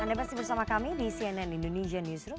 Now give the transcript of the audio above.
anda masih bersama kami di cnn indonesia newsroom